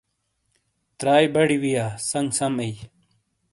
تَرائی بڑی وییا ، سنگ سم ایئی۔